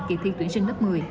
kỳ thi tuyển sinh lớp một mươi